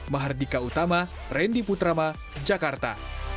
mahardika utama randy putrama jakarta